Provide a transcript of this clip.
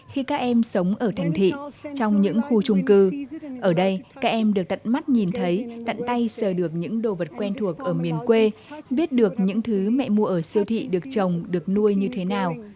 khi các em sống ở thành thị trong những khu trung cư ở đây các em được tận mắt nhìn thấy tận tay sờ được những đồ vật quen thuộc ở miền quê biết được những thứ mẹ mua ở siêu thị được trồng được nuôi như thế nào